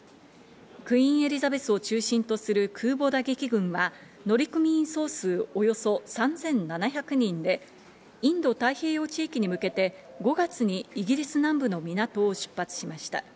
クイーン・エリザベスを中心とする空母打撃群は乗組員総数およそ３７００人で、インド太平洋地域に向けて５月にイギリス南部の港を出発しました。